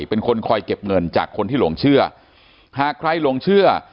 เป็นคนคอยเก็บเงินจากคนที่หลงเชื่อหากใครหลงเชื่อ